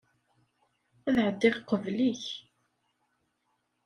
Ad ɛeddiɣ qbel-ik.